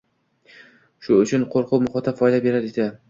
Shu uchun qo‘rquv muhiti foyda berar edi.